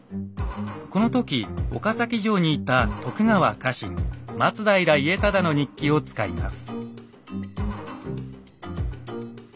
この時岡崎城にいた徳川家臣松平家忠の日記を使います。